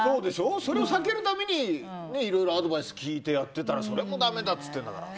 それを避けるためにいろいろアドバイスを聞いてやっていたらそれもだめだっていうんだから。